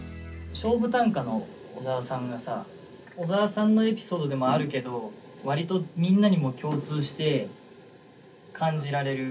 勝負短歌の小沢さんがさ小沢さんのエピソードでもあるけど割とみんなにも共通して感じられる。